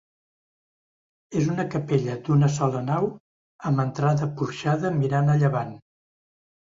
És una capella d'una sola nau amb entrada porxada mirant a llevant.